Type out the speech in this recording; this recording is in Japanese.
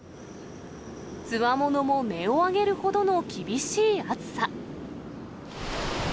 つわものも音を上げるほどの厳しい暑さ。